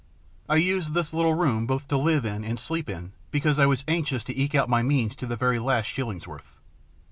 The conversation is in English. I used this little room both to live in and sleep in, because I was anxious to eke out my means to the very last shillingsworth.